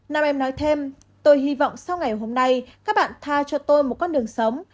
nam em nói thêm tôi hy vọng sau ngày hôm nay các bạn tha cho tôi một con đường sống